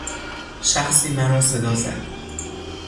شخصی مرا صدا زد.